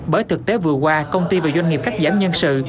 bởi thực tế vừa qua công ty và doanh nghiệp các giám nhân sự